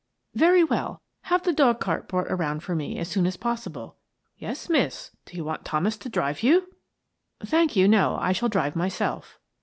" Very well. Have the dog cart brought around for me as soon as possible." " Yes, miss. Do you want Thomas to drive you?" " Thank you, no. I shall drive myself."